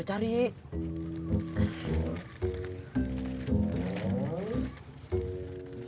dicari lagi atukang